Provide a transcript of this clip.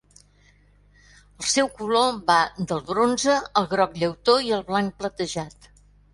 El seu color va del bronze al groc llautó i al blanc platejat.